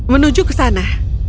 menuju ke sana